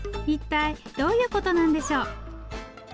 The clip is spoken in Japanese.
一体どういうことなんでしょう。